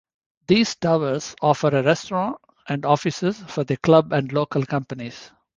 These towers offer a restaurant and offices for the club and local companies.